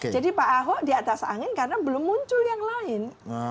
jadi pak ahok di atas angin karena belum muncul yang lain